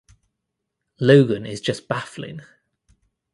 Logan is just baffling.